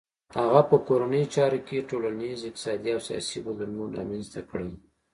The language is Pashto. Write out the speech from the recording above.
هغه په کورنیو چارو کې ټولنیز، اقتصادي او سیاسي بدلونونه رامنځته کړل.